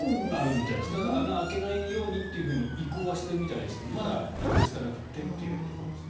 ただ、穴を開けないようにって移行はしているみたいですけどまだ追いつかなくてというところですね。